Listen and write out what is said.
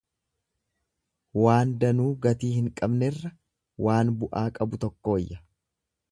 Waan danuu gatii hin qabnerra waan bu'aa qabu tokko wayya.